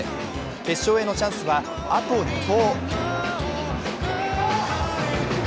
決勝へのチャンスは、あと２投。